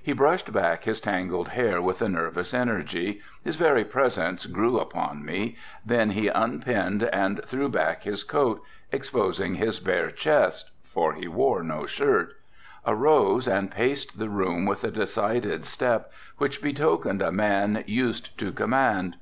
He brushed back his tangled hair with a nervous energy, his very presence grew upon me, then he unpinned and threw back his coat exposing his bare chest, for he wore no shirt, arose and paced the room with a decided step which betokened a man used to command.